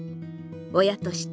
「親として」。